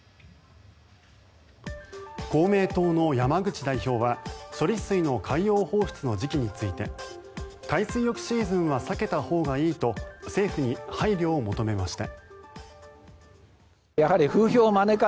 公明党の山口代表は処理水の海洋放出の時期について海水浴シーズンは避けたほうがいいと政府に配慮を求めました。